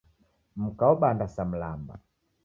Mka obanda sa mlamba.